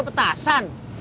lo mau jual petasan